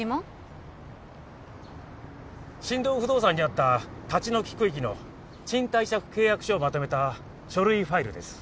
進藤不動産にあった立ち退き区域の賃貸借契約書をまとめた書類ファイルです。